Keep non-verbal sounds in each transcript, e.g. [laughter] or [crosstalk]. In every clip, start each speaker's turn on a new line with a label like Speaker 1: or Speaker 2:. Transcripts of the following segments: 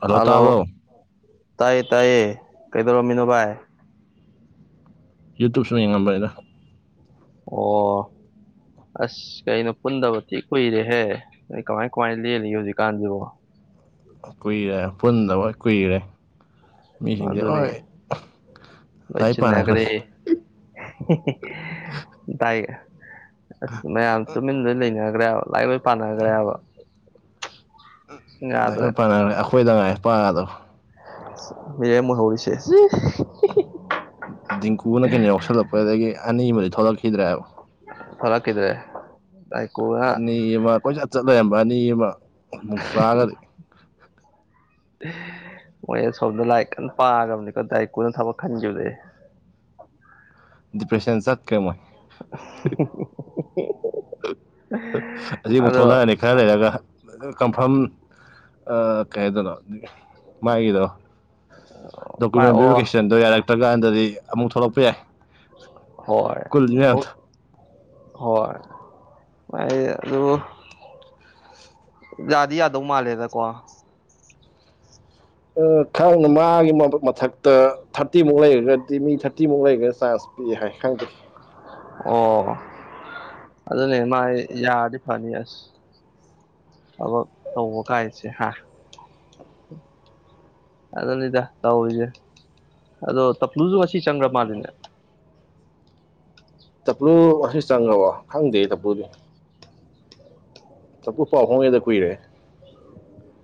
Speaker 1: hello
Speaker 2: hello
Speaker 1: ꯇꯥꯕ꯭ꯔꯣ
Speaker 2: ꯇꯥꯏꯌꯦ ꯇꯥꯏꯌꯦ ꯀꯩꯗꯧꯔꯝꯃꯤꯅꯣ ꯚꯥꯏ
Speaker 1: ꯌꯨ ꯇꯨ ꯁꯨꯝ ꯌꯦꯉꯝꯕꯅꯤꯗ
Speaker 2: ꯑꯣ ꯑꯁ ꯀꯩꯅꯣ ꯄꯨꯟꯗꯕ ꯊꯤ ꯀꯨꯏꯔꯦꯍꯦ ꯑꯩ ꯀꯃꯥꯏ ꯀꯃꯥꯏꯅ ꯂꯦꯜꯂꯤꯒꯦ ꯍꯧꯖꯤꯛꯀꯥꯟꯁꯤꯕꯣ
Speaker 1: ꯀꯨꯏꯔꯦ ꯄꯨꯟꯗꯕ ꯀꯨꯏꯔꯦ ꯃꯤꯁꯤꯡꯁꯦ
Speaker 2: ꯑꯗꯨꯅꯤ
Speaker 1: ꯍꯣꯏ ꯂꯥꯏꯛ ꯄꯥꯟꯅꯈ꯭ꯔꯦ
Speaker 2: ꯍꯤ ꯍꯤ ꯗꯥꯏ ꯑꯁ ꯃꯌꯥꯝ ꯇꯨꯃꯤꯟ ꯂꯣꯏ ꯂꯩꯅꯈ꯭ꯔꯦꯕ ꯂꯥꯏ ꯂꯣꯏ ꯄꯥꯟꯅꯈ꯭ꯔꯦꯕ
Speaker 1: ꯂꯣꯏ ꯄꯥꯟꯅꯈ꯭ꯔꯦ ꯑꯩꯈꯣꯏꯗ ꯉꯥꯏ ꯄꯥꯗꯣ
Speaker 2: ꯍ ꯍꯧꯁꯦ ꯁꯤ꯭ꯐ [unintelligible]
Speaker 1: ꯗꯤꯡꯀꯨꯅ ꯀꯩꯅꯣ ꯌꯥꯎꯁꯜꯂꯛꯄꯗꯒꯤ ꯑꯅꯤ ꯑꯃꯗꯤ ꯊꯣꯛꯂꯛꯈꯤꯗ꯭ꯔꯦꯕ
Speaker 2: ꯐꯂ ꯀꯩꯗ꯭ꯧꯔꯦ ꯑꯥꯏ ꯀꯣ
Speaker 1: ꯑꯅꯤ ꯑꯃ ꯀꯣꯏꯆꯠ ꯆꯠ ꯂꯩꯔꯝꯕ ꯑꯅꯤ ꯑꯃ ꯑꯃꯨꯛ ꯆꯥꯔꯒꯗꯤ
Speaker 2: ꯑꫭ ꯑꯦꯁ ꯍꫭꯝꯗ ꯂꯥꯏꯔꯤꯛ ꯀꯟꯅ ꯄꯥꯔꯝꯅꯤꯀꯣ ꯗꯥꯏ ꯀꯨꯅ ꯊꯕꯛ ꯈꯟꯈꯤꯕꯗꯩ
Speaker 1: ꯗꯤꯄ꯭ꯔꯦꯁꯟ ꯆꯠ ꯈꯌꯦ ꯝꯣꯏ
Speaker 2: [unintelligible]
Speaker 1: ꯑꯁꯤꯕꯨꯛ
Speaker 2: ꯑꯗꯣ
Speaker 1: ꯊꯣꯛꯂꯛꯑꯅꯤ ꯈꯔ ꯂꯩꯔꯒ ꯀꯝꯐꯥꯝ ꯀꯩꯗꯅꯣ ꯃꯥꯏꯒꯤꯗꯣ
Speaker 2: ꯚꯥꯏ
Speaker 1: ꯗꯣꯀꯨꯃꯦꯟ
Speaker 2: ꯑꯣ
Speaker 1: ꯚꯦꯔꯤꯐꯤꯀꯦꯁꯟꯗꯣ ꯌꯥꯔꯛꯇ꯭ꯔꯀꯥꯟꯗꯗꯤ ꯑꯃꯨꯛ ꯊꯣꯛꯂꯛꯄ ꯌꯥꯏ
Speaker 2: ꯍꯣꯏ
Speaker 1: ꯀꯨꯜꯂꯤ
Speaker 2: ꯊ
Speaker 1: ꯃꯌꯥꯝꯗꯣ
Speaker 2: ꯍꯣꯏ ꯃ ꯑꯗꯨ ꯌꯥꯗꯤ ꯌꯥꯗꯧ ꯃꯥꯜꯂꯦꯗꯀꯣ
Speaker 1: ꯈꯪꯅ ꯃꯥꯒꯤ ꯃꯊꯛꯇ ꯊꯥꯔꯇꯤꯃꯨꯛ ꯂꯩꯔꯒꯗꯤ ꯃꯤ ꯊꯥꯔꯇꯤꯃꯨꯛ ꯂꯩꯈ꯭ꯔ ꯆꯥꯟꯁ ꯍꯥꯏ ꯈꯪꯗ꯭ꯔꯦ
Speaker 2: ꯑꯣ ꯑꯗꯨꯅꯦ ꯃꯥꯥꯏ ꯌꯥꯔꯗꯤ ꯐꯅꯤ ꯑꯁ ꯊꯕꯛ ꯇꯧꯕ ꯀꯥꯏꯁꯦ ꯍꯥ ꯑꯗꯨꯅꯤꯗ ꯇꯧꯔꯤꯁꯦ ꯑꯗꯣ ꯇꯞꯂꯨꯁꯨ ꯉꯁꯤ ꯆꯪꯈ꯭ꯔ ꯃꯥꯜꯂꯤꯅꯦ
Speaker 1: ꯇꯞꯂꯨ ꯉꯁꯤ ꯆꯪꯉꯕꯣ ꯈꯪꯗꯦ ꯇꯞꯄꯨꯗꯤ ꯁꯕꯨ ꯄꯥꯎꯣꯡ ꯌꯦꯗ ꯀꯏꯔꯦ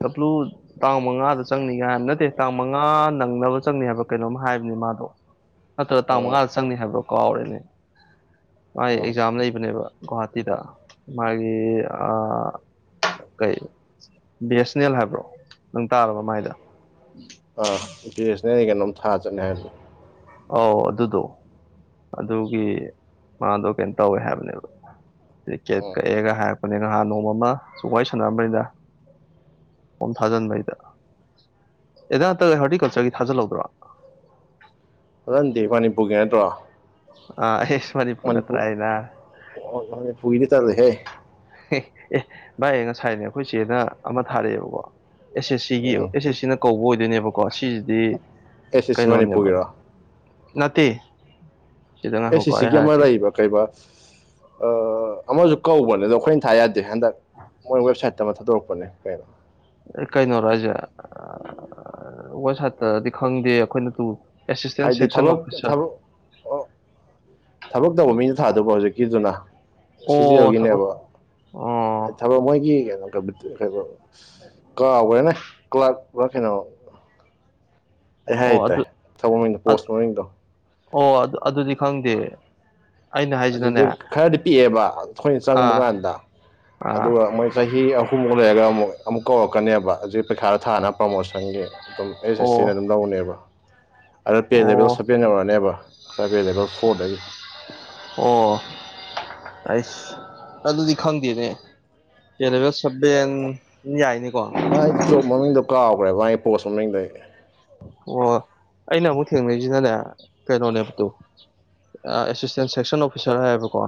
Speaker 2: ꯀꯄꯂꯨꯠ ꯇꯥꯡ ꯃꯉꯥꯗ ꯆꯪꯅꯤ ꯀꯥꯏ ꯍꯥꯏꯕ ꯅꯠꯇꯦ ꯇꯥꯡ ꯃꯉꯥ ꯅꯪꯅꯕ ꯆꯪꯅꯤ ꯍꯥꯏꯕ ꯀꯩꯅꯣꯝ ꯍꯥꯏꯕꯅꯤ ꯃꯥꯗꯣ ꯅꯠꯇ꯭ꯔꯒ ꯇꯥꯡ
Speaker 1: ꯎꯝ
Speaker 2: ꯃꯉꯥꯗ ꯆꯪꯅꯤ ꯍꯥꯏꯕ꯭ꯔꯣ ꯀꯥꯎꯔꯦꯅꯦ ꯃꯥꯒꯤ
Speaker 1: ꯎꯝ
Speaker 2: ꯑꯦꯛꯖꯥꯝ ꯂꯩꯕꯅꯦꯕ ꯒꯍꯥꯇꯤꯗ ꯃꯥꯒꯤ ꯀꯩ ꯕꯤ ꯑꯦꯁ ꯑꯦꯟ ꯑꯦꯜ ꯍꯥꯏꯕ꯭ꯔꯣ ꯅꯪ ꯇꯥꯔꯕ ꯃꯥꯏꯗꫭ
Speaker 1: ꯑꯥ ꯏꯟꯇꯔꯅꯦꯁꯅꯦꯜꯒꯤ ꯀꯩꯅꯣꯝ ꯊꯥ ꯆꯠꯅꯤ ꯍꯥꯏꯕꯅꯦ
Speaker 2: ꯑꯧ ꯑꯗꯨꯗꯣ ꯑꯗꯨꯒꯤ ꯃꯥꯗꯣ ꯀꯩꯅꯣ ꯇꯧꯋꯦ ꯍꯥꯏꯕꯅꯦꯕ ꯔꯤꯖꯦꯠ
Speaker 1: ꯎꯝ
Speaker 2: ꯀꯛꯑꯦꯒ ꯍꯥꯏ ꯐꯅꯦ ꯉꯍꯥꯟ ꯅꯣꯡꯃ ꯑꯃ ꯁꯨꯝ ꯋꯥꯔꯤ ꯁꯥꯟꯅꯝꯕꯅꯤꯅ ꯐꯣꯝ ꯊꯥꯖꯤꯟꯕꯩꯗ ꯑꯦꯗ ꯅꯠꯇ ꯍꯔꯇꯤꯀꯜꯆꯔꯒꯤ ꯊꯖꯜꯍꯧꯗ꯭ꯔꯣ [unintelligible]
Speaker 1: [unintelligible] ꯃꯅꯤꯄꯨꯔꯒꯤ ꯅꯠꯇ꯭ꯔꯣ
Speaker 2: ꯑ ꯍꯦꯁ ꯃꯅꯤꯄꯨꯔꯗ ꯀ꯭ꯔꯥꯏꯅ
Speaker 1: ꯑꯣꯅꯦ ꯄꯨꯏꯅꯤ ꯇꯔꯗ ꯍꯦ
Speaker 2: ꯑꯦ ꯑꯦ ꯚꯥꯏ ꯉꯁꯥꯏꯅꯦ ꯑꯩꯈꯣꯏ ꯆꯦꯗ ꯑꯃ ꯊꯥꯔꯛꯑꯦꯕꯀꯣ ꯑꯦꯁ ꯑꯦꯁ ꯁꯤꯒꯤ ꯑꯦꯁ
Speaker 1: ꯎꯝ
Speaker 2: ꯑꯦꯁ ꯁꯤꯅ ꯀꯧꯕ ꯑꯣꯏꯗꯣꯏꯅꯦꯕꯀꯣ ꯁꯤꯖꯤꯗꯤ
Speaker 1: ꯑꯦꯁ ꯑꯦꯁ ꯁꯤ
Speaker 2: ꯀꯩꯅꯣꯅꯦꯕ
Speaker 1: ꯃꯅꯤꯄꯨꯔꯒꯤꯔꯣ
Speaker 2: ꯅꯠꯇꯦ ꯁꯤꯗ
Speaker 1: ꯑꯦ
Speaker 2: ꯉꯥꯏꯈꯣꯀꯣ ꯑꯩ
Speaker 1: ꯁꯤꯁꯤꯒꯤ ꯑꯃ
Speaker 2: ꯍꯥꯏꯔꯛꯀꯦ
Speaker 1: ꯂꯩꯕ ꯀꯩꯕꯥ ꯑꯃꯁꯨ ꯀꯧꯕꯅꯦ ꯑꯗꯣ ꯑꯩꯈꯣꯏꯅ ꯥ ꯌꯥꯗꯦ ꯍꯟꯗꯛ ꯃꯣꯏ ꯋꯦꯕꯁꯥꯏꯠꯇ ꯑꯃ ꯊꯥꯗꯣꯔꯛꯄꯅꯦ ꯀꯩꯅꯣ
Speaker 2: ꯀꯩꯅꯣꯔꯣ ꯍꯥꯏꯁꯦ ꯋꯥꯁꯥꯏꯠꯇꯗꯤ ꯈꯪꯗꯦ ꯑꯩꯈꯣꯏꯅ ꯇꯨ ꯑꯦꯁꯤꯁꯇꯦꯟ
Speaker 1: ꯍꯥꯏꯗꯤ
Speaker 2: ꯁꯦꯛꯁꯟ
Speaker 1: ꯊꯕꯛ
Speaker 2: ꯑꯣꯐꯤꯁꯥꯔ
Speaker 1: ꯊꯕꯛ ꯇꯧꯕ ꯃꯤꯅ ꯊꯥꯗꯕ ꯍꯧꯖꯤꯛꯀꯤꯗꯨꯅ ꯁꯤꯖꯤꯑꯦꯜ
Speaker 2: ꯑꯣ ꯊꯕꯛ
Speaker 1: ꯒꯤꯅꯦꯕ
Speaker 2: ꯑꯣ
Speaker 1: ꯊꯕꯛ ꯃꯣꯏꯒꯤ ꯀꯝꯄꯤꯇꯤ ꯀꯩꯍꯥꯏꯕ ꯀꯥꯈ꯭ꯔꯦꯅꯦ ꯀ꯭ꯂꯥꯛꯅꯣ ꯑꯩ ꯍꯥꯏ
Speaker 2: ꯑꯣ ꯑꯗꯨ
Speaker 1: ꯍꯥꯏꯇꯥꯔꯦ ꯊꯕꯛ ꯃꯗꯣ ꯄꯣꯁ ꯃꯃꯤꯡꯗꯣ
Speaker 2: ꯑꯣ ꯑꯗꯨ ꯑꯗꯨꯗꯤ ꯈꯪꯗꯦ ꯑꯩꯅ ꯍꯥꯏꯁꯤꯅꯅꯦ
Speaker 1: ꯍꯧꯁꯦ ꯈꯔꯗꯤ ꯄꯤꯛꯑꯦꯕ ꯑꯩꯈꯣꯏꯅ ꯆꯪꯕ
Speaker 2: ꯑꯥ
Speaker 1: ꯀꯥꯟꯗ ꯑꯗꯨꯒ
Speaker 2: ꯑꯥ
Speaker 1: ꯃꯣꯏ ꯆꯍꯤ ꯑꯍꯨꯝꯃꯨꯛ ꯂꯩꯔꯒ ꯑꯃꯨꯛ ꯑꯃꯨꯛ ꯀꯧꯔꯛꯀꯅꯦꯕ ꯍꯧꯖꯤꯛ ꯄꯩꯈꯥꯗ ꯊꯥꯅ ꯄ꯭ꯔꯣꯃꯣꯁꯟꯒꯤ ꯑꯗꯨꯝ ꯑꯦꯁ ꯑꯦꯁ ꯁꯤꯅ
Speaker 2: ꯑꯣ
Speaker 1: ꯑꯗꯨꯝ ꯂꯧꯅꯦꯕ ꯑꯗꯣ ꯄꯦ ꯂꯦꯕꯦꯜ
Speaker 2: ꯑꯣ
Speaker 1: ꯁꯕꯦꯟ ꯌꯧꯔꯅꯦꯕ ꯉꯁꯥꯏ ꯄꯦ ꯂꯦꯕꯦꯜ ꯐꯣꯔꯗꯒꯤ
Speaker 2: ꯑꯣ ꯑꯩꯁ ꯑꯗꯨꯗꯤ ꯈꯪꯗꯦꯅꯦ ꯑꯦꯂꯦꯕꯦꯜ ꯁꯕꯚꯦꯟ ꯌꯥꯏꯅꯦꯀꯣ
Speaker 1: ꯃꯥ ꯖꯣꯞ ꯃꯃꯤꯡꯗꯣ ꯀꯥꯎꯈ꯭ꯔꯦ ꯃꯥꯒꯤ ꯄꯣꯁ ꯃꯃꯤꯡꯗꯣ ꯑꯩ
Speaker 2: ꯑꯣ ꯑꯩꯅ ꯑꯃꯨꯛ ꯊꯦꯡꯅꯔꯤꯁꯤꯅꯅꯦ ꯀꯩꯅꯣꯅꯦꯕ ꯇꯨ ꯑꯦꯁꯤꯁꯇꯦꯟ ꯁꯦꯛꯁꯟ ꯑꯣꯐꯤꯁꯔ ꯍꯥꯏꯌꯦꯕꯀꯣ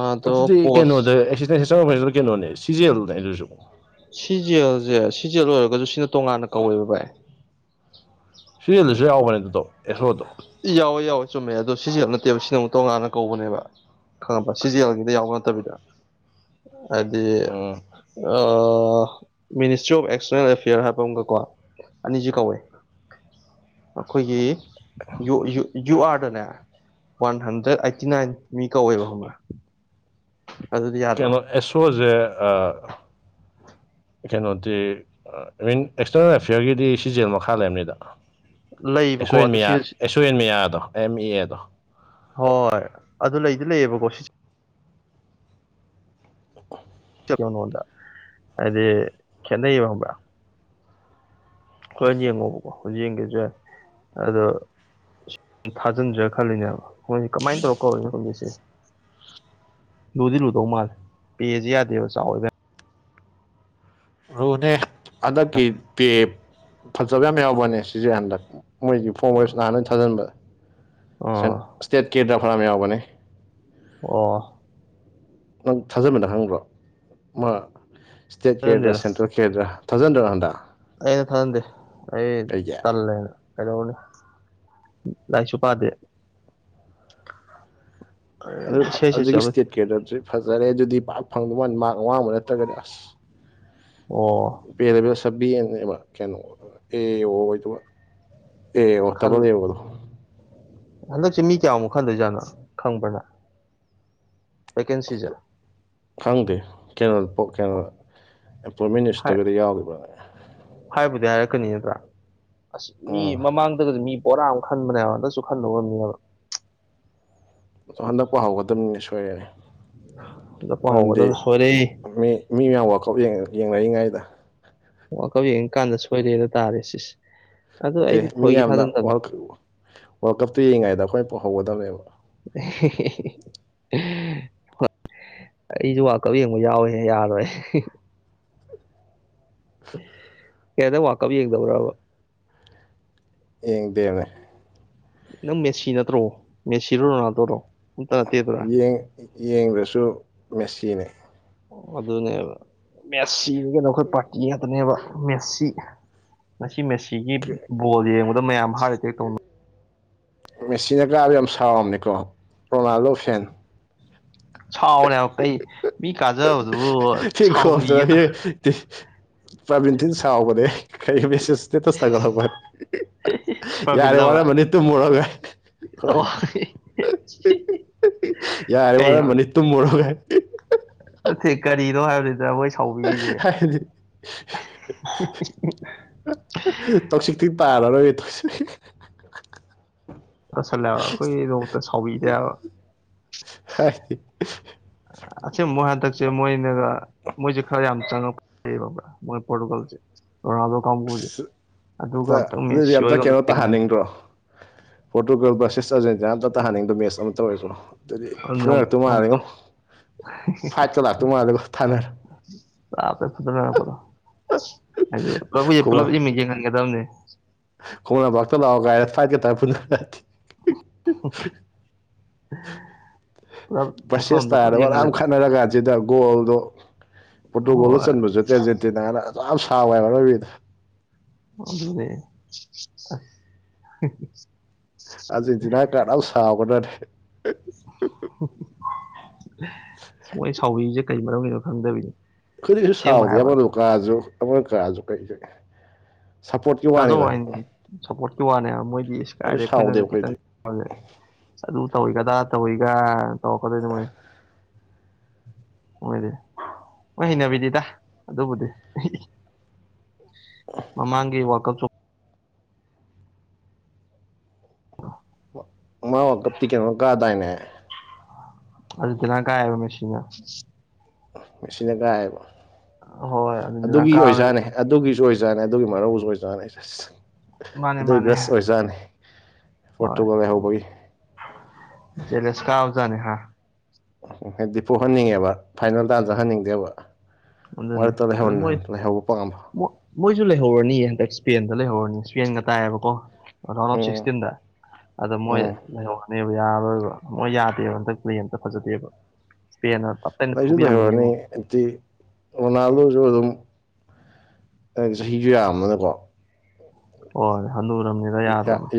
Speaker 2: ꯑꯗꯣ
Speaker 1: ꯑꯗꯨꯗꯤ
Speaker 2: ꯄꯣꯁ
Speaker 1: ꯀꯩꯅꯣꯗ ꯑꯦꯛꯁꯤꯗꯦꯟꯁꯦ ꯑꫭꯐꯤꯁꯅ ꯀꯩꯅꫭꯅꯦ ꯁꯤꯖꯤꯑꯦꯜꯅꯦ ꯑꯗꯨꯁꯨ
Speaker 2: ꯁꯤꯖꯦꯜꯁꯦ ꯁꯤꯖꯦꯜ ꯑꯣꯏꯔꯒꯁꯨ ꯁꯤꯅ ꯇꯣꯉꯥꯟꯅ ꯀꯧꯋꯦꯕ ꯚꯥꯏ
Speaker 1: ꯁꯤꯔꯦꯜꯗꯨꯁꯨ ꯌꯥꯎꯕꯅꯦ ꯑꯗꯨꯗꯣ ꯑꯦꯐꯂꫭꯗꯣ
Speaker 2: ꯌꯥꯎꯋꯦ ꯌꯥꯎꯋꯦ ꯆꯨꯝꯃꯦ ꯑꯗꯣ ꯁꯤꯖꯤꯑꯦꯜ ꯅꯠꯇꯦꯕ ꯁꯤꯅ ꯑꯃꯨꯛ ꯇꯣꯉꯥꯟꯅ ꯀꯧꯕꯅꯦꯕ ꯈꯪꯉꯕ ꯁꯤꯖꯤꯑꯦꯜ ꯒꯤꯗ ꯌꯥꯎꯕ ꯅꯠꯇꯕꯤꯗ ꯍꯥꯏꯗꯤ
Speaker 1: ꯎꯝ
Speaker 2: ꯃꯤꯅꯤꯁꯇ꯭ꯔꯤ ꯑꯣꯐ ꯑꯦꯛꯁꯇꯔꯅꯦꯜ ꯑꯦꯐꯤꯌꯔ ꯍꯥꯏꯕ ꯑꯃꯒꯀꯣ ꯑꯅꯤꯁꯤ ꯀꯧꯋꯏ ꯑꯩꯈꯣꯏꯒꯤ ꯌꯨ ꯌꯨ ꯌꯨꯑꯥꯔꯗꯅꯦ ꯋꯥꯟ ꯍꯟꯗ꯭ꯔꯦꯠ ꯑꯥꯏꯠꯇꯤ ꯅꯥꯏꯟ ꯃꯤ ꯀꯧꯋꯦꯕ ꯈꯪꯕ꯭ꯔ ꯑꯗꯨꯗꯤ ꯌꯥꯗ꯭ꯔꯣ
Speaker 1: ꯑꯦꯁꯨꯁꯦ ꯀꯩꯅꯣꯗꯤ ꯏꯚꯟ ꯑꯦꯛꯁꯇꯔꯅꯦꯜ ꯑꯦꯐꯤꯌꯔꯒꯤꯗꯤ ꯁꯤꯖꯦꯜ ꯃꯈꯥ ꯂꯩꯝꯅꯤꯗ
Speaker 2: ꯂꯩꯕꯀꯣ ꯑꯗꯨ
Speaker 1: ꯑꯩꯁꯣꯏꯟꯌꯥ
Speaker 2: ꯁꯤ
Speaker 1: ꯑꯩꯁꯣꯏꯟ ꯃꯤꯌꯥꯗꯣ ꯑꯦꯝ ꯏ ꯑꯦꯗꯣ
Speaker 2: ꯍꯣꯏ ꯑꯗꯨ ꯂꯩꯗꯤ ꯂꯩꯌꯦꯕꯀꯣ ꯁꯤ ꯉꯣꯟꯗ ꯍꯥꯏꯗꯤ ꯈꯦꯠꯅꯩꯌꯦꯕ ꯈꯪꯕ꯭ꯔꯥ ꯍꯣꯔ ꯌꯦꯡꯉꯣꯕꯀꯣ ꯍꯧꯖꯤꯛ ꯌꯦꯡꯒꯦꯁꯨ ꯌꯥꯏ ꯑꯗꯣ ꯊꯥꯖꯤꯟꯖꯤꯔ ꯈꯜꯂꯤꯅꯦꯕ ꯃꯣꯏꯒꯤ ꯀꯃꯥꯏꯟ ꯇꯧꯔ ꯀꯧꯔꯤꯅꫭ ꯈꯪꯗꯦ ꯁꯦ ꯂꯨꯗꯤ ꯂꯨꯗꯧ ꯃꯥꯜꯂꯦ ꯄꯦꯁ ꯌꯥꯗꯦꯕ ꯆꯥꯎꯌꯦꯕ
Speaker 1: ꯔꯣꯅꯦ ꯍꯟꯗꯛꯀꯤ ꯄꯦ ꯐꯖꯕ ꯌꯥꯝ ꯌꯥꯎꯕꯅꯦ ꯁꯤꯁꯦ ꯍꯟꯗꯛ ꯃꯣꯏꯒꯤ ꯐꯣꯔꯝ ꯋꯦꯁ ꯂꯥꯟ ꯍꯥꯟꯅ ꯊꯥꯖꯤꯟꯕ ꯁꯦꯟ
Speaker 2: ꯑꯥ
Speaker 1: ꯁꯇꯦꯠ ꯀꯦ ꯗꯐ꯭ꯔꯥꯝ ꯌꯥꯎꯕꯅꯦ
Speaker 2: ꯑꯣ
Speaker 1: ꯅꯪ ꯊꯥꯖꯕꯗ ꯍꯪꯕ꯭ꯔꯣ ꯃꯥ ꯏꯁꯇꯦꯠꯀꯤꯗ꯭ꯔꯥ
Speaker 2: ꯊꯥꯖꯟꯗꯦꯗ
Speaker 1: ꯁꯦꯟꯇ꯭ꯔꯦꯜ ꯑꯣꯀꯦꯗ꯭ꯔꯥ ꯊꯥꯖꯟꯗ꯭ꯔꯣ ꯍꯟꯗ
Speaker 2: ꯑꯩꯅ ꯊꯥꯟꯗꯦ ꯑꯩ ꯇꯜꯂꯦꯅ ꯀꯩꯗꯧꯔꯨꯅꯤ ꯂꯥꯏꯁꯨ ꯄꯥꯗꯦ
Speaker 1: ꯑꯗꯨ
Speaker 2: ꯁꯦ ꯁꯦ
Speaker 1: ꯑꯗꯨꯒꯤ
Speaker 2: ꯆꯠꯂꯨꯏ
Speaker 1: ꯏꯁꯇꯦꯠ ꯀꯩꯗꯁꯨ ꯐꯖꯔꯦ ꯑꯗꯨꯗꯤ ꯄꯥꯛꯔ ꯐꯪꯗꯧ ꯃꯥꯅꯤ ꯃꯥꯛ ꯑꯋꯥꯡꯕ ꯅꯠꯇ꯭ꯔꯒꯗꯤ ꯑꯁ [unintelligible]
Speaker 2: ꯑꯣ
Speaker 1: ꯄꯦꯗꯕꯤ ꯁꯕꯤꯅꯦꯕ ꯀꯩꯅꯣ ꯑꯦ ꯑꯣꯗꯨ ꯑꯦ
Speaker 2: ꯈꯜ
Speaker 1: ꯑꯣꯠꯇꯃꯗ ꯌꯅꯣ
Speaker 2: ꯍꯟꯗꯛꯁꯦ ꯃꯤ ꯀꯌꯥꯃꯨꯛ ꯈꯟꯗꯣꯏꯖꯥꯠꯅꯣ ꯈꯪꯕ꯭ꯔ ꯅꯪ ꯕꯦꯀꯦꯟꯁꯤꯖ
Speaker 1: ꯈꯪꯗꯦ ꯀꯩꯅꯣ ꯀꯩꯅꯣ
Speaker 2: ꯑꯣ
Speaker 1: ꯑꯦꯄꯣꯏꯟꯃꯦꯟ
Speaker 2: ꯍꯥꯏ
Speaker 1: ꯏꯁꯇꯒꯗꯤ ꯌꯥꯎꯔꯤꯕꯅꯦ
Speaker 2: ꯍꯥꯏꯕꯨꯗꯤ ꯍꯥꯏꯔꯛꯀꯅꯤ ꯅꯠꯇ꯭ꯔꯥ ꯑꯁ ꯃꯤ
Speaker 1: ꯎꯝ
Speaker 2: ꯃꯃꯥꯡꯗꯒꯗꯤ ꯃꯤ ꯄꯣꯔꯥ ꯑꯃ ꯈꯟꯕꯅꯦ ꯍꯟꯗꯛꯁꯨ ꯈꯟꯗꯣ ꯑꯣꯏꯔꯝꯅꯤ ꯍꯥꯏꯕ
Speaker 1: ꯏꯊꯟꯗ ꯄꯍꯧꯒꯗꯕꯅꯤ ꯁꯣꯏꯔꯅꯤ
Speaker 2: ꯍꯟꯗꯛ
Speaker 1: ꯃꯔꯝꯗꯤ
Speaker 2: ꯍꯧꯒꯗꯕ ꯁꯣꯏꯔꯦ
Speaker 1: ꯃꯤ ꯃꯤ ꯃꯌꯥꯝ ꯋꯥꯛꯑꯥꯎꯠ ꯌꯦꯡꯅꯔꯤꯉꯩꯗ
Speaker 2: ꯋꯥꯀꯜ ꯌꯦꯡꯉꯀꯥꯟꯗ ꯁꯣꯏꯔꯦꯗ ꯇꯥꯔꯦ ꯁꯤꯁꯦ ꯑꯗꯨ
Speaker 1: ꯑꯠꯇꯦ
Speaker 2: ꯑꯩꯗꯤ
Speaker 1: ꯃꯤ
Speaker 2: ꯊꯣꯏꯒꯤ
Speaker 1: ꯌꯥꯝꯅ
Speaker 2: ꯊꯥꯖꯟꯗꯕꯅꯤ
Speaker 1: ꯋꯥꯔꯜ ꯋꯥꯔꯜ ꯀꯞꯇꯨ ꯌꯦꯡꯏꯉꯩꯗ ꯑꯩꯈꯣꯏꯅ ꯍꯧꯒꯗꯕꯅꯦꯕ
Speaker 2: [unintelligible] ꯑꯩꯁꯨ ꯋꯥꯀꯞ ꯌꯦꯡꯕ ꯌꯥꯎꯋꯤ ꯌꯥꯔꯣꯏ ꯕ꯭ꯗꯔ ꯋꯥꯜꯀꯞ ꯌꯦꯡꯗꯕ꯭ꯔꯕ
Speaker 1: ꯌꯦꯡ ꯗꯦꯝꯃꯦ
Speaker 2: ꯅꯪ ꯃꯦꯁꯤ ꯅꯠꯇ꯭ꯔꯣ ꯃꯦꯁꯤꯔꯣ ꯔꯣꯅꯥꯜꯗꯣꯔꯣ ꯑꯝꯇ ꯅꯠꯇꯦꯗꯅ
Speaker 1: ꯌꯦꯡꯕꯁꯨ ꯃꯦꯁꯤ ꯅꯦ [unintelligible]
Speaker 2: ꯑꯣ ꯑꯗꯨꯅꯦꯕ ꯃꯦꯠꯁꯤꯗꯤ ꯀꯩꯅꯣ ꯑꯩꯈꯣꯏ ꯄꯥꯔꯇꯤ ꯉꯥꯛꯇꯅꯦꯕ ꯃꯦꯠꯁꯤ ꯉꯁꯤ ꯃꯦꯁꯤꯒꯤ ꯕꯣꯜ ꯌꯦꯡꯕꯗ ꯃꯌꯥꯝ ꯍꯥꯔꯠ ꯑꯦꯇꯦꯛ ꯇꯧꯅ
Speaker 1: ꯃꯦꯆꯤꯟꯅ ꯀꯥꯕ ꯌꯥꯝ ꯁꯥꯎꯔꯝꯅꯤꯀꯣ ꯔꯣꯅꯥꯜꯗꯣ ꯐꯦꯟ
Speaker 2: ꯁꯥꯎꯔꯦꯕ ꯀꯩ ꯃꯤ ꯀꯥꯖꯕꯗꯨ ꯁꯥꯎꯕꯤꯒꯦ ꯇ
Speaker 1: ꯄ꯭ꯔꯥꯕꯤꯟꯇꯤꯟ ꯁꯥꯎꯒ [unintelligible] ꯀꯩꯒ ꯃꯦꯁꯦ ꯏꯁꯇꯦꯇꯁ ꯊꯥꯒꯠꯂꯛꯄꯅꯤ ꯌꯥꯔꯦ
Speaker 2: ꯄ꯭ꯔꯕꯤꯜꯂꯕ
Speaker 1: ꯋꯥꯔꯃꯅꯤ ꯇꯨꯝꯃꯨꯔꯒ ꯍꯣꯏ
Speaker 2: ꯑꯣ
Speaker 1: ꯌꯥꯔꯦ
Speaker 2: ꯀꯩ
Speaker 1: ꯋꯥꯔꯦ ꯃꯅꯤ ꯇꯨꯝꯃꯣꯔꯣ
Speaker 2: ꯅꯠꯇꯦ ꯀꯔꯤꯅꯣ ꯍꯥꯏꯕꯅꯤꯗ ꯃꯣꯏ ꯁꯥꯎꯕꯤꯔꯤꯁꯦ
Speaker 1: ꯍꯥꯏꯗꯤ ꯇꯧꯁꯤꯛꯇꯤ ꯇꯥꯔꯔꯣꯏꯌꯦ ꯇꯧꯁꯤ
Speaker 2: ꯇꯁꯜꯂꯦꯕ ꯑꯩꯈꯣꯏ ꯅꯣꯡꯃꯇ ꯁꯥꯎꯕꯤꯗꯦꯕ
Speaker 1: ꯍꯥꯏ
Speaker 2: ꯑꯁ ꯃꯣꯏ ꯍꯟꯗꯛꯁꯦ ꯃꯣꯏꯅꯒ ꯃꯣꯏꯖꯦ ꯈꯔ ꯌꯥꯝ ꯆꯡꯉꯛꯄ ꯐꯩ ꯌꯦꯕ ꯕ꯭ꯔ ꯃꯣꯏ ꯄꯣꯔꯇꯨꯒꯜꯁꯦ ꯔꫭꯅꯥꯗꫭ ꯀꯥꯡꯕꯨꯁꯦ
Speaker 1: ꯑꯁ
Speaker 2: ꯑꯗꯨꯒ ꯑꯃꯝꯇꯪ ꯃꯤ ꯁꯤꯣꯏꯒ ꯑꯝꯇ ꯊꯦꯡꯅꯟꯗ
Speaker 1: ꯄꫭꯔꯇꯨꯒꯜ ꯕꯁꯁꯦꯁ ꯑꯔꯖꯦꯟꯇꯤꯅ ꯑꯝꯇ ꯇꯍꯟꯅꯤꯡꯗꯣ ꯃꯦꯠꯁ ꯑꯃ ꯇꯧꯔꯁꯅꯣ ꯑꯗꯨꯗꯤ ꯐꯨꯅꯔꯛꯇꯣ ꯃꯥꯔꯤꯉꯣ
Speaker 2: ꯑꯃꯨꯛꯇꯪ
Speaker 1: ꯐꯥꯏ ꯆ ꯂꯥꯛ ꯇꯨ ꯃꯥꯗ ꯊꯅ
Speaker 2: ꯐꯄꯣ ꯍꯥꯏꯗꯤ ꯄꯨꯂꯕꯨ ꯄꯨꯂꯞ ꯏꯃ ꯌꯦꯡꯍꯟꯒꯗꯕꯅꯦ [unintelligible]
Speaker 1: ꯈꯣꯡꯅꯄꯥꯛꯇ ꯂꯥꯛꯑꯣ ꯀꯥꯏꯔ ꯐꯥꯏꯠꯀꯇꯥꯏ ꯄꯨꯟꯔꯗꯤ
Speaker 2: [unintelligible] ꯄꯨꯂꯞ ꯃꯐꯝ
Speaker 1: ꯕꯦꯔꯁꯨꯁ
Speaker 2: ꯑꯝꯗ ꯄꯨꯂꯞ
Speaker 1: ꯇꯔꯥꯐꯥꯑꯣ ꯑꯗꯨꯛ ꯌꯥꯝ
Speaker 2: ꯌꯦꯡꯍꯜꯂꯦꯗꯅ
Speaker 1: ꯈꯠꯅꯔꯥ ꯀꯥꯟꯗ [unintelligible] ꯁꯤꯗ ꯒꯣꯜꯗꯣ ꯄꯣꯔꯇꯨꯒꯣꯜꯗ
Speaker 2: ꯍꯣꯏ
Speaker 1: ꯆꯟꯕꯖꯦ ꯑꯔꯖꯦꯟꯇꯤꯅꯥꯅ ꯑꯖꯨꯛ ꯌꯥꯝ ꯁꯥꯎꯋꯦ ꯍꯥꯏꯕ ꯑꯔꫭꯏꯕꯤꯗ
Speaker 2: ꯑꯗꯨ ꯑꯗꯨꯅꯦ [unintelligible]
Speaker 1: ꯑꯔꯁꯤꯟꯇꯤꯅꯥ ꯀꯥꯔꯠ ꯌꯥꯝ ꯁꯥꯎꯕꯅꯅꯦ
Speaker 2: ꯃꯣꯏ ꯁꯥꯎꯕꯤꯁꯦ ꯀꯩ ꯃꯔꯝꯒꯤꯅꯣ ꯈꯪꯗꯕꯤꯅꯣ
Speaker 1: ꯀꯔꯤꯁꯨ ꯁꯥꯎꯗꯦ ꯑꯃ ꯀꯥꯁꯨ ꯑꯃꯅ ꯀꯥꯁꯨ ꯀꯩꯁꯨ ꯁꯞꯄꯣꯔꯠꯀꯤ
Speaker 2: ꯀꯥꯖꯧ
Speaker 1: ꯋꯥꯅꯤꯗ
Speaker 2: ꯍꯥꯏꯅꯤ ꯁꯞꯄꯣꯔꯠꯀꯤ ꯋꯥꯅꯦꯕ ꯃꯣꯏꯗꯤ ꯏꯁꯀꯥꯏꯗꯦ
Speaker 1: ꯑꯩꯁꯨ ꯁꯥꯎꯗꯦ
Speaker 2: ꯑꯩꯈꯣꯏꯅꯒ ꯈꯤꯇꯪ
Speaker 1: ꯑꯩꯈꯣꯏꯗꯤ
Speaker 2: ꯑꯗꯨ ꯇꯧꯋꯤꯒꯗ ꯇꯧꯋꯤꯒ ꯇꯧꯔꯛꯀꯗꯣꯏꯗ ꯃꯣꯏ [unintelligible] [inaudible] ꯃꯣꯏꯗꯤ ꯍꯣꯏ ꯍꯩꯅꯕꯤꯗꯤꯗ ꯑꯗꯨꯕꯨꯗꯤ ꯃꯃꯥꯡꯒꯤ ꯋꯥꯀ ꯆ
Speaker 1: ꯃꯥ ꯋꯤꯔꯂꯗ ꯀꯎꯞ [unintelligible] ꯀꯩꯅꯣꯅꯥ ꯀꯥꯗꯥꯏꯅꯦ
Speaker 2: ꯑꯔꯖꯦꯟꯇꯤꯅ ꯀꯥꯏꯌꯦꯕ ꯃꯦꯁꯤꯅ
Speaker 1: ꯀꯩꯪꯁꯨ
Speaker 2: ꯍꯣꯏ ꯑꯥꯔꯖꯦꯟꯇꯤꯅꯥ
Speaker 1: ꯑꯗꯨꯒꯤ
Speaker 2: ꯀꯥꯕ
Speaker 1: ꯑꯣꯖꯥꯅꯦ ꯑꯗꯨꯒꯤꯁꯨ ꯑꯣꯏꯖꯥꯅꯤ ꯑꯗꯨꯒꯤ ꯃꯔꯧꯁꯨ ꯑꯣꯏꯖꯥꯅꯤ ꯑꯩ
Speaker 2: ꯃꯥꯅꯦ
Speaker 1: ꯑꯗꯨ
Speaker 2: ꯃꯥꯅꯦ
Speaker 1: ꯒ꯭ꯔꯁ ꯑꯣꯏꯕꯖꯥꯠꯅꯤ ꯄꯣꯔꯇꯨꯒꯜ ꯂꯩꯍꯧꯕꯒꯤ
Speaker 2: ꯖꯦꯂꯁ ꯀꯕꯖꯠꯅꯦ ꯍꯥ
Speaker 1: ꯎ ꯗꯤꯄꯨ ꯍꯟꯅꯤꯡꯉꯦꯕ ꯐꯥꯏꯅꯦꯜ ꯇꯥꯟꯖ ꯍꯟꯅꯤꯡꯗꯦꯕ
Speaker 2: ꯑꯗꯨꯅꯤ
Speaker 1: ꯃꯔꯠꯇ
Speaker 2: ꯑꯗꯨ
Speaker 1: ꯂꯩꯍꯧꯅꯤ
Speaker 2: ꯃꯣꯏ
Speaker 1: ꯂꯩꯍꯧꯕ ꯄꯥꯝꯕ
Speaker 2: ꯃꯣꯏꯁꯨ ꯂꯩꯍꯧꯔꯅꯤ ꯍꯟꯗꯛ ꯏꯁꯄꯦꯟꯗ ꯂꯩꯍꯧꯔꯅꯤ ꯏꯁꯄꯦꯟꯒ ꯇꯥꯏꯑꯕꯀꯣ ꯔꯥꯎꯟ ꯑꯣꯐ
Speaker 1: ꯎꯝ
Speaker 2: ꯁꯤꯛꯁꯇꯤꯟꯗ ꯑꯗꯣ ꯃꯣꯏ
Speaker 1: ꯎꯝ
Speaker 2: ꯂꯩꯍꯧ ꯅꯕ ꯌꯥꯔꯣꯏꯕ ꯃꯣꯏ ꯌꯥꯗꯦꯕ ꯍꯟꯗꯛ ꯄ꯭ꯂꯦ ꯑꯇ ꯐꯖꯗꯦꯕ ꯏꯁꯄꯦ
Speaker 1: ꯂꯁꯨ ꯂꯩꯍꯧꯔꯅꯤ ꯑꯛꯇꯤ ꯔꯣꯅꯥꯜꯗꯣꯁꯨ ꯑꯗꯨꯝ ꯆꯍꯤꯁꯨ ꯌꯥꯝꯕꯅꯀꯣ
Speaker 2: ꯍꫭꯜ ꯍꯅꯨꯔꯝꯅꯦ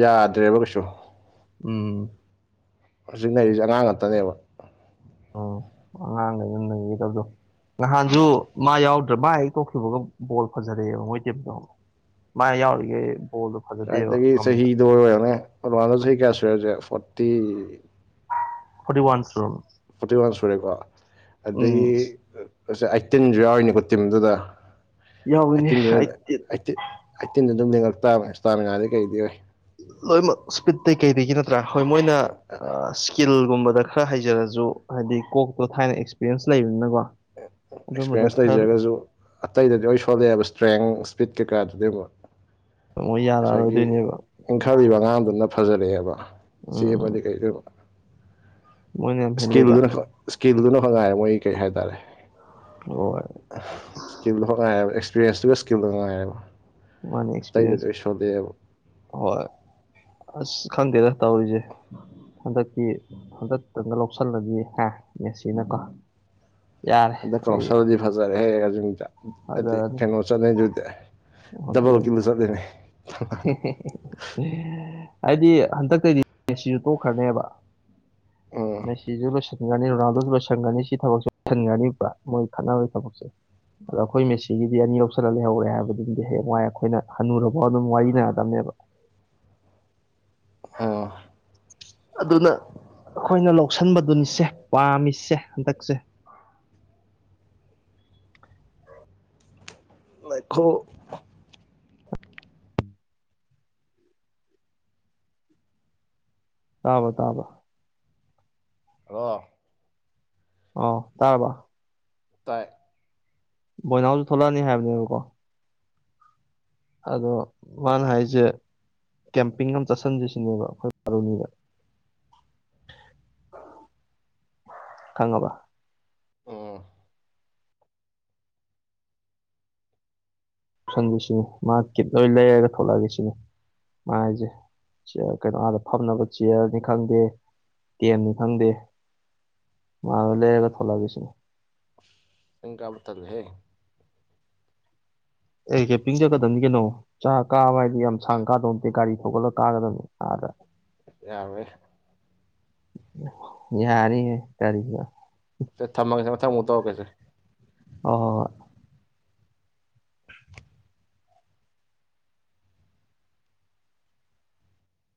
Speaker 1: ꯌꯥꯗ꯭ꯔꯦꯕ ꯀꯩꯁꯨ
Speaker 2: ꯎꯝ
Speaker 1: ꯍꯧꯖꯤꯛ ꯂꯩꯔꯤꯁꯦ ꯑꯉꯥꯡ ꯉꯥꯛꯇꯅꯦꯕ
Speaker 2: ꯎꯝ ꯑꯉꯥꯡꯉ ꯒꯩꯅ ꯅꯩ [unintelligible] ꯒꯗꯕꯗꯣ ꯅꯍꯥꯟꯁꯨ ꯃꯥ ꯌꯥꯎꯗ꯭ꯔ ꯃꯥ ꯍꯦꯛ ꯇꯣꯛꯕꯒ ꯕꯣꯜ ꯐꯖꯔꯛꯑꯦꯕ ꯃꯣꯏ ꯇꯦ ꯃꯥ ꯌꯥꯎꯔꯤꯒꯦꯣꯜꯗ
Speaker 1: ꯈꯋꯥꯏꯗꯒꯤ ꯆꯍꯤꯗꯣ ꯑꯣꯏꯔꯣꯅꯦ ꯑꯗꯨꯃꯥꯟꯗ ꯆꯍꯤ ꯀꯌꯥ ꯁꯨꯔꯁꯦ ꯐꯣꯔꯇꯤ
Speaker 2: ꯐꫭꯔꯇꯤ ꯋꯥꯟ ꯇꯔꯜ
Speaker 1: ꯐꯣꯔꯇꯤ ꯋꯥꯟ ꯁꯨꯔꯦꯀꯣ ꯑꯗꯨꯗꯒꯤ ꯑꯁ‌ꯦ ꯑꯥꯏꯠꯇꯤꯟꯁꯨ ꯌꯥꯎꯔꯤꯅꯤꯀꯣ ꯇꯤꯝꯗꯨꯗ
Speaker 2: ꯌꯥꯎꯏꯅꯦ
Speaker 1: ꯑꯩꯠꯇꯤꯟꯗꯨ
Speaker 2: ꯑꯩ
Speaker 1: ꯑꯩꯠꯇꯤꯟꯗ ꯑꯗꯨꯝ ꯂꯦꯡꯉꯛꯇꯥꯕ ꯏꯁꯇꯥꯃꯤꯅꯗꯩ ꯀꯩꯗꯤ ꯑꯣꯏ [unintelligible]
Speaker 2: ꯂꯣꯏꯅꯃꯛ ꯏꯁꯄꯤꯠꯇꯇꯩ ꯀꯩꯒꯤ ꯅꯠꯇ꯭ꯔꯥ ꯍꯣꯏ ꯃꯣꯏꯅ ꯏꯁꯀꯤꯜꯒꯨꯝꯕꯗ ꯈꯔ ꯍꯩꯖꯔꯁꯨ ꯍꯥꯏꯗꯤ ꯀꯣꯛꯇꯣ ꯊꯥꯏꯅ ꯑꯦꯛꯁꯄꯤꯔꯌꯦꯟꯁ ꯂꯩꯕꯅꯤꯅꯀꯣ ꯑꯗꯨꯝꯕꯗ
Speaker 1: ꯑꯦꯛꯁꯄ꯭ꯔꯤꯌꯦꯟꯁ
Speaker 2: ꯈꯔ
Speaker 1: ꯂꯩꯖꯔꯒꯁꯨ ꯑꯇꯩꯗꯗꯤ ꯂꯣꯏ ꯁꯣꯜꯂꯛꯑꯦꯕ ꯏꯁꯇ꯭ꯔꯦꯡ ꯏꯁꯄꯤꯠ ꯀꯩꯀꯥꯗꯨꯗꯤ ꯑꯃꯨꯛ
Speaker 2: ꯃꯣꯏ
Speaker 1: ꯉꯁꯥꯏꯒꯤ
Speaker 2: ꯌꯥꯔꯛꯑꯔꯣꯏꯗꯣꯏꯅꯦꯕ
Speaker 1: ꯏꯪꯈꯠꯂꯤꯕ ꯑꯉꯥꯡꯗꯨꯅ ꯐꯖꯔꯛꯑꯦꯕ
Speaker 2: ꯎꯝ
Speaker 1: ꯆꯦꯟꯕꯗꯩ ꯀꯔꯤꯗꯩ ꯑꯃꯨꯛ
Speaker 2: ꯃꯣꯏꯅ ꯌꯥꯝ ꯍꯦꯜꯂꯦꯗ
Speaker 1: ꯏꯁꯀꯤꯜꯗꯨꯅ ꯈꯛ ꯏꯁꯀꯤꯜꯗꯨꯅ ꯈꯛ ꯉꯥꯏꯔꯦ ꯃꯣꯏ ꯀꯩ ꯍꯥꯏꯇꯥꯔꯦ
Speaker 2: ꯍ [unintelligible]
Speaker 1: ꯏꯁꯀꯤꯜꯗꯣ ꯈꯛ ꯉꯥꯏꯌꯦꯕ ꯑꯦꯛꯁꯄꯤꯔꯤꯌꯦꯟꯁꯇꯨꯒ ꯏꯁꯀꯤꯜꯗꯣ ꯈꯛ ꯉꯥꯏꯌꯦꯕ
Speaker 2: ꯃꯥꯅꯦ ꯑꯦꯛꯁꯄꯤꯔꯤꯌꯦꯟꯁ
Speaker 1: ꯑꯇꯩꯗꯗꯤꯁꯨ [unintelligible] ꯑꯗꯨꯛꯌꯝ [unintelligible]
Speaker 2: ꯍꯣꯏ ꯑꯁ ꯈꯪꯗ‌ꯦꯗ ꯊꯧꯔꯤꯁ‌ꯦ ꯍꯟꯗꯛꯇꯤ ꯍꯟꯗꯛꯇꯪꯒ ꯂꯧꯁꯤꯜꯂꯗꯤ ꯍꯥ ꯃꯦꯁꯤꯅꯀꯣ ꯌꯥꯔꯦ
Speaker 1: ꯍꯟꯗꯛꯀ
Speaker 2: ꯑꯩ
Speaker 1: ꯂꯧꯁꯜꯂꯗꯤ ꯐꯖꯔꯦ ꯍꯦ ꯑꯔꯖ‌ꯦꯟꯇꯤꯅꯥ ꯑꯗꯨꯗꯤ
Speaker 2: ꯐꯖꯔꯅꯤ
Speaker 1: ꯀꯩꯅꯣ ꯆꯠꯂ‌ꯦ ꯑꯗꯨꯗꯤ ꯗꯕꯜ
Speaker 2: ꯑꯗꯨꯅꯤ
Speaker 1: ꯀꯤꯜꯗ [unintelligible] ꯆꯠꯂꯤꯅꯦ
Speaker 2: ꯍꯥꯏꯗꯤ ꯍꯟꯗꯛꯇꯩꯗꯤ ꯃꯤꯁꯤꯖꯨ ꯇꯣꯛꯈ꯭ꯔꯅꯦꯕ
Speaker 1: ꯎꯝ
Speaker 2: ꯃ‌ꯦꯁꯤꯁꯨ ꯂꯣꯏꯁꯟ ꯁꯟꯅꯤ ꯔꯣꯅꯥꯜꯗꯣꯁ ꯂꯣꯏꯁꯟꯒꯔꯅꯤ ꯁꯤ ꯊꯕꯛꯁ‌ꯦ ꯂꯣꯏꯁꯤꯟꯒꯅꯤꯕ ꯃꯣꯏ ꯈꯠꯅꯕꯒꯤ ꯊꯕꯛꯁꯦ ꯑꯗꯣ ꯑꯩꯈꯣꯏ ꯃꯦꯁꯤꯒꯤꯗꯤ ꯑꯅꯤ ꯂꯧꯁꯜꯂ ꯂꯩꯍꯧꯔꯦ ꯍꯥꯏꯕꯗꯨꯝꯗꯤ ꯍꯌꯦꯡꯋꯥꯏ ꯑꯩꯈꯣꯏꯅ ꯍꯅꯨꯔꯥ ꯑꯗꯨꯝ ꯋꯥꯔꯤꯅꯔꯗꯕꯅꯦꯕ
Speaker 1: ꯑꯣ
Speaker 2: ꯑꯗꯨꯅ ꯑꯩꯈꯣꯏꯅ ꯂꯧꯁꯟꯕꯗꯨꯅꯤꯁꯦ ꯄꯥꯝꯃꯤꯁꯦ ꯍꯟꯗꯛꯁꯦ
Speaker 1: ꯃꯈꯨ [unintelligible]
Speaker 2: ꯇꯥꯕ꯭ꯔꫭ ꯇꯥꯕ꯭ꯔꫭ
Speaker 1: ꯍ‌ꯦꯜꯂꯣ
Speaker 2: ꯑꯣ ꯇꯥꯔ꯭ꯕꫭ
Speaker 1: ꯇꯥꯏ
Speaker 2: ꯕꯣꯏꯅꯥꯎꯁꯨ ꯊꯣꯛꯂꯛꯑꯅꯤ ꯍꯥꯏꯕꯅꯦꯕꯀꯣ ꯑꯗꯣ ꯃꯥꯅ ꯍꯥꯏꯁꯦ ꯀꯦꯝꯄꯤꯡ ꯑꯃ ꯆꯠꯁꯤꯟꯖ‌ꯦ ꯁꯤꯅꯦꯕ ꯑꯩꯈꯣꯏ ꯄꯕꯥꯔꯣꯅꯤꯗ ꯈꯪꯉꯕ
Speaker 1: ꯎꯝ
Speaker 2: ꯁꯟꯕꯤꯁꯤꯅꯤ [unintelligible] ꯃꯥ ꯀꯠ ꯂꯣꯏ ꯂꯩꯔꯒ ꯊꯣꯛꯂꯛꯑꯒꯦ ꯁꯤꯅꯤ ꯃꯥ ꯍꯥꯏꯁꯦ ꯀꯩꯅꯣ ꯑꯗ ꯐꯝꯅꯕ ꯆꯤꯌꯔꯅꯤ ꯈꯪꯗꯦ ꯇ‌ꯦꯟꯅꯤ ꯈꯪꯗꯦ ꯃꯥꯅ ꯂꯩꯔꯒ ꯊꯣꯛꯂꯛꯑꯒ ꯁꯤꯅꯤ
Speaker 1: ꯆꯤꯡ‌ ꯀꯥꯕ ꯇꯟꯂꯤꯍꯦ
Speaker 2: ꯑ‌ꯦ ꯀꯦꯝꯄꯤꯡ ꯆꯠꯀꯗꯕꯅꯤ ꯀꯩꯅꯣ ꯆꯥꯛ ꯀꯥꯕ ꯍꯥꯏꯗꯤ ꯌꯥꯝ ꯁꯥꯡ ꯀꯥꯗꯧ ꯅꯠꯇꯦ ꯒꯥꯔꯤ ꯊꯧꯒꯠꯂꯒ ꯀꯥꯒꯗꯕꯅꯤ ꯑꯗꯥ
Speaker 1: ꯌꯥꯎꯋꯤ
Speaker 2: ꯡꯍꯦ ꯀ꯭ꯔꯤꯕ ꯊꯊꯣꯪꯂꯕꯁꯨꯡꯔꯇ [unintelligible]
Speaker 1: ꯁ‌ꯦ ꯊꯝꯃꯒꯦꯁ‌ꯦ ꯃꯪ ꯊꯪꯪꯃꯨꯛꯧꯔꯦꯁꯦ
Speaker 2: ꯍꯣꯍꯣ [unintelligible]